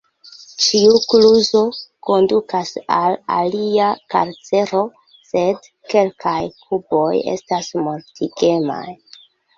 Ĉiu kluzo kondukas al alia karcero, sed kelkaj kuboj estas mortigemaj.